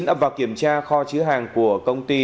ập vào kiểm tra kho chứa hàng của công ty